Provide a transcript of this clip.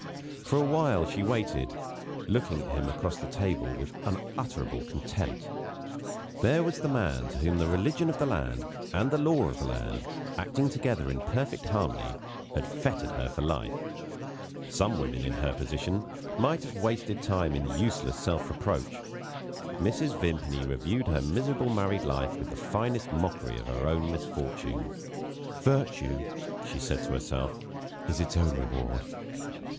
For a while she waited, looking at him across the table with unutterable contempt. There was the man to whom the religion of the land and the law of the land, acting together in perfect harmony, had fettered her for life! Some women, in her position, might have wasted time in useless self reproach. Mrs. Vimpany reviewed her miserable married life with the finest mockery of her own misfortune. "Virtue," she said to herself, "is its own reward."